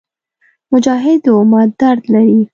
مجاهد د امت درد لري.